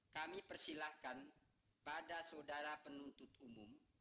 kami persilahkan pada saudara penuntut umum